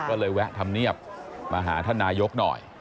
ก็เลยแวะธรรมเนียบมาหาท่านนายกหน่อย